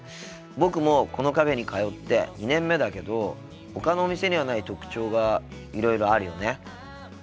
僕もこのカフェに通って２年目だけどほかのお店にはない特徴がいろいろあるよね。